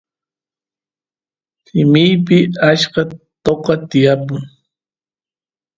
simimpi achka toqa tiyapun